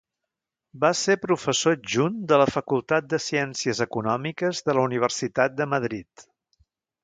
Va ser professor adjunt de la Facultat de Ciències Econòmiques de la Universitat de Madrid.